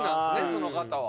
その方は。